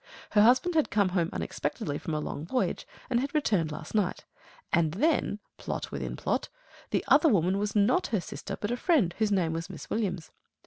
Her husband had come home unexpectedly from a long voyage, and had returned last night. And then plot within plot the other woman was not her sister, but a friend, whose name was Miss Williams.